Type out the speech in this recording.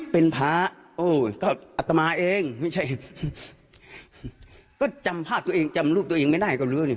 เป็นพระโอ้ก็อัตมาเองไม่ใช่ก็จำภาพตัวเองจำลูกตัวเองไม่ได้ก็รู้นี่